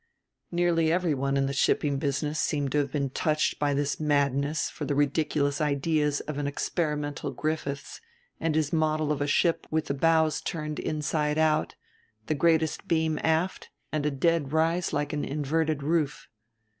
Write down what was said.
Nearly everyone in the shipping business seemed to have been touched by this madness for the ridiculous ideas of an experimental Griffiths and his model of a ship with the bows turned inside out, the greatest beam aft and a dead rise like an inverted roof.